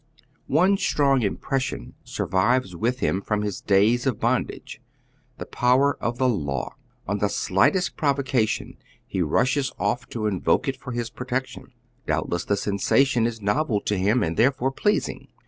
One strong inipi ession sur vives witli liini from his days of bondage : the power of the law. On the slightest provocation he rushes off to in voke it for liis protection. Doubtless the sensation is novel to hini, and therefore pleasing.